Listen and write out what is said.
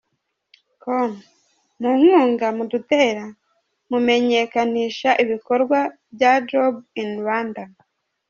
com mu nkunga mudutera mumenyekanisha ibikorwa bya Job in Rwanda.